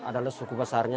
kita adalah suku besarnya